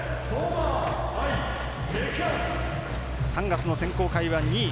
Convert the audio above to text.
３月の選考会は２位。